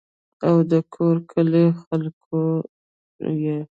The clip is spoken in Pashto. او دَکور کلي خلقو ئې